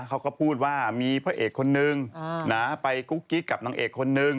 เขาก็พูดว่ามีพระเอกคนนึงไปกุ๊กกิ๊กกับนางเอกคนนึง